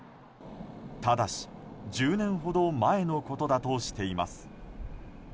ただし、１０年ほど前のことだとしています。